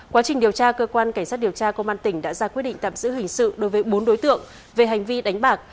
quá trình điều tra cơ quan cảnh sát điều tra công an tỉnh đã ra quyết định tạm giữ hình sự đối với bốn đối tượng về hành vi đánh bạc